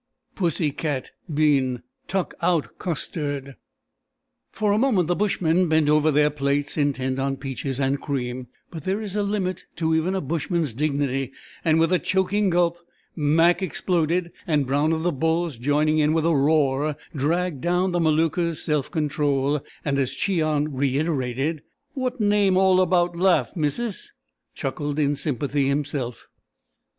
"Pussy cat been tuck out custard." For a moment the bushmen bent over their plates, intent on peaches and cream; but there is a limit to even a bushman's dignity, and with a choking gulp Mac exploded, and Brown of the Bulls joining in with a roar dragged down the Maluka's self control; and as Cheon reiterated: "What name all about laugh, missus," chuckled in sympathy himself.